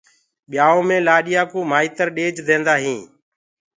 ٻِيآئو مي لآڏيآ ڪو مآئتر ڏيج دينٚدآ هيٚنٚ